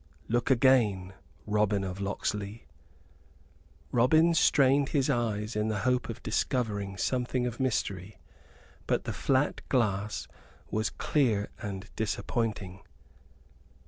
"Look again, Robin of Locksley." Robin strained his eyes in the hope of discovering something of mystery. But the flat glass was clear and disappointing.